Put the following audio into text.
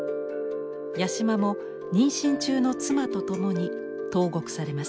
八島も妊娠中の妻と共に投獄されます。